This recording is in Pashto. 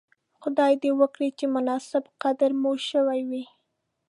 خدای دې وکړي چې مناسب قدر مو شوی وی.